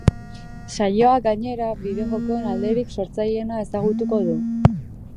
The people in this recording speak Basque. Saioak, gainera, bideojokoen alderik sortzaileena ezagutuko du.